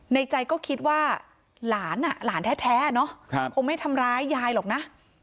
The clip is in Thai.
ในใจก็คิดว่าหลานหลานแท้เนอะคงไม่ทำร้ายยายหรอกนะ